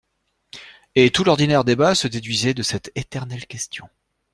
Et tout l'ordinaire débat se déduisait de cette éternelle question.